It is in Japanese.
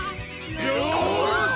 よし！